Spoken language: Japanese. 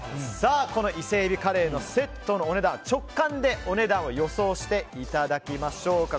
さあ、この伊勢海老カレーのセットのお値段直感でお値段を予想していただきましょう。